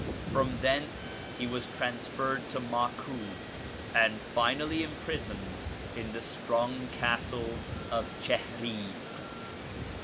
From thence he was transferred to Maku and finally imprisoned in the strong castle of Chihrik.